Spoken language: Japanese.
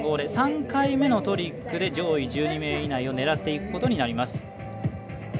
３回目のトリックで上位１２人を狙っていくことになります。